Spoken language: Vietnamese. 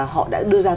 họ đã đưa ra